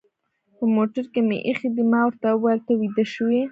په موټر کې مې اېښي دي، ما ورته وویل: ته ویده شوې؟